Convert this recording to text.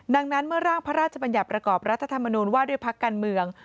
ดังนั้นเมื่อร่างพระราชบัญญัติประกอบรัฐธรรมนูญว่าด้วยพักการเมือง